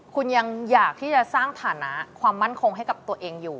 คุณยังอยากที่จะสร้างฐานะความมั่นคงให้กับตัวเองอยู่